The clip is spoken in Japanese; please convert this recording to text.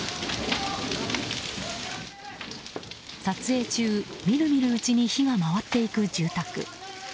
撮影中みるみるうちに火が回っていく住宅。